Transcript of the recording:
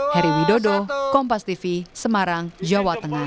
heri widodo kompastv semarang jawa tengah